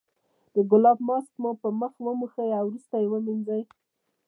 د ګلاب ماسک مو په مخ وموښئ او وروسته یې ومینځئ.